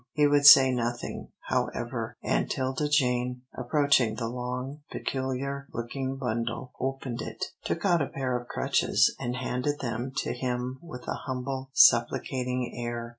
He would say nothing, however, and 'Tilda Jane, approaching the long, peculiar looking bundle, opened it, took out a pair of crutches, and handed them to him with a humble, supplicating air.